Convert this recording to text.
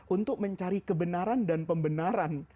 untuk mencari kebenaran dan pembenaran